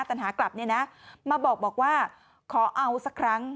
ปัญหากลับเนี่ยนะมาบอกว่าขอเอาสักครั้ง